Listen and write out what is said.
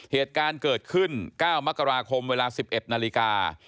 เหตุการณ์เกิดขึ้น๙มกราคมเวลา๑๑นาฬิกา